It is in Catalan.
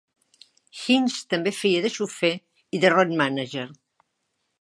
Hinch també feia de xofer i de "road manager".